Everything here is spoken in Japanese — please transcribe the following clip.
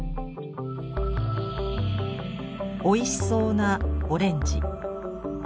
おいしそうなオレンジ。